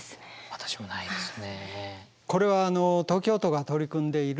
私もないですね。